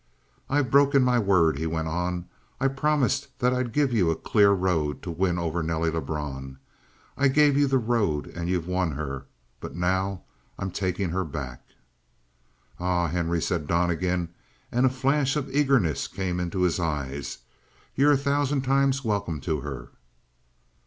"I've broken my word," he went on. "I promised that I'd give you a clear road to win over Nelly Lebrun. I gave you the road and you've won her, but now I'm taking her back!" "Ah, Henry," said Donnegan, and a flash of eagerness came in his eyes. "You're a thousand times welcome to her."